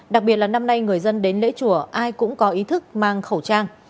đặc biệt là năm nay người dân đến lễ chùa ai cũng có ý thức mang khẩu trang